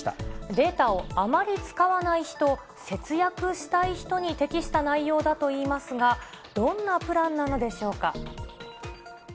データをあまり使わない人、節約したい人に適した内容だといいますが、どんなプランなのでしょうか。